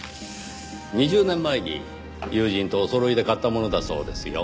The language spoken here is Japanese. ２０年前に友人とおそろいで買ったものだそうですよ。